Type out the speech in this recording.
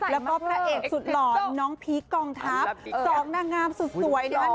แล้วก็พระเอกสุดหล่อน้องพีคกองทัพ๒นางงามสุดสวยนะคะ